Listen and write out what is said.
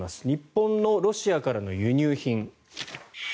日本のロシアからの輸入品。